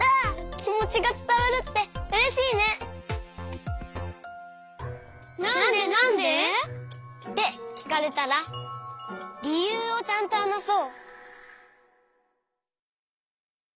きもちがつたわるってうれしいね！ってきかれたらりゆうをちゃんとはなそう。